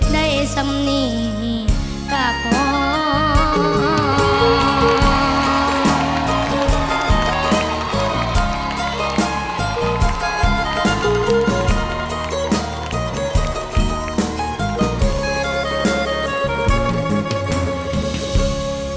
ได้สำนีดกล้าความ